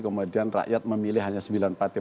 kemudian rakyat memilih hanya sembilan partai